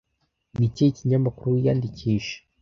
Ni ikihe kinyamakuru wiyandikisha?